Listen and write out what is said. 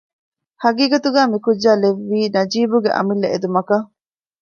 ހަޤީޤަތުގައި މިކުއްޖާ ލެއްވީ ނަޖީބުގެ އަމިއްލަ އެދުމަކަށް